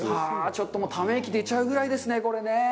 ちょっとため息出ちゃうぐらいですね。